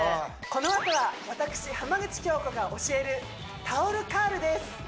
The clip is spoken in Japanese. このあとは私浜口京子が教えるタオル・カールです